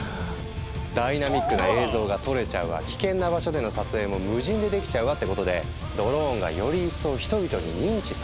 ダイナミックな映像が撮れちゃうわ危険な場所での撮影も無人でできちゃうわってことでドローンがより一層人々に認知されていったの。